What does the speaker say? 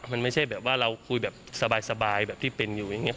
มันไม่ใช่แบบว่าเราคุยแบบสบายแบบที่เป็นอยู่อย่างนี้